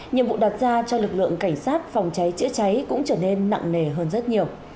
nhiệm vụ đặt ra cho lực lượng cảnh sát phòng cháy chữa cháy cũng trở nên nặng nề hơn rất nhiều